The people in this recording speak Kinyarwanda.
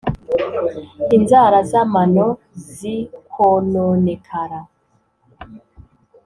inzara z'amano zikwononekara